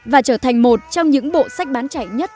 và trở thành một trong những bộ sách bán chạy nhất